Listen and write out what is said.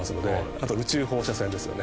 あと宇宙放射線ですよね。